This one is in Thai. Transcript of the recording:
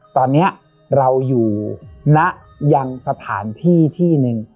ตอนนี้เราอยู่ณยังสถานที่ที่หนึ่ง